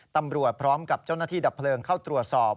ตำรวจพร้อมกับเจ้าหน้าที่ดับเพลิงเข้าตรวจสอบ